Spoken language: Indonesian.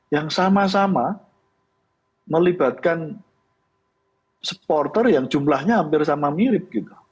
yang sama sama melibatkan supporter yang jumlahnya hampir sama mirip gitu